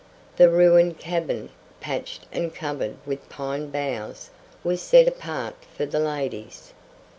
The ruined cabin, patched and covered with pine boughs, was set apart for the ladies.